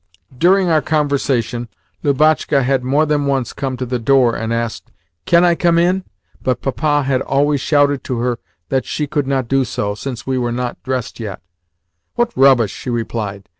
During our conversation, Lubotshka had more than once come to the door and asked "Can I come in?" but Papa had always shouted to her that she could not do so, since we were not dressed yet. "What rubbish!" she replied.